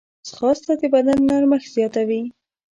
ځغاسته د بدن نرمښت زیاتوي